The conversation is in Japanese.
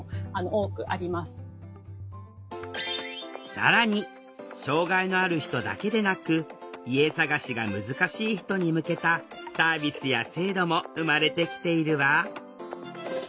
更に障害のある人だけでなく家探しが難しい人に向けたサービスや制度も生まれてきているわ。